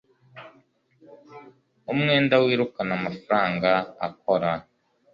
umwenda wirukana amafaranga akora